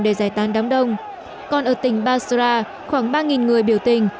để giải tán đám đông còn ở tỉnh basra khoảng ba người biểu tình